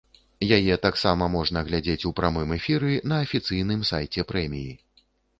Яе таксама можна глядзець у прамым эфіры на афіцыйным сайце прэміі.